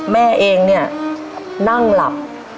แม่เองนั่งหลับ